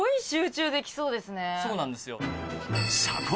そうなんですよ。